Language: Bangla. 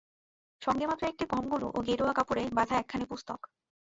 সঙ্গে মাত্র একটি কমণ্ডলু ও গেরুয়া কাপড়ে বাঁধা একখানি পুস্তক।